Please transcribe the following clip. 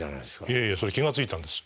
いえいえそれ気が付いたんです。